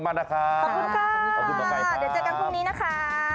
ขอบคุณค่ะเดี๋ยวเจอกันพรุ่งนี้นะคะ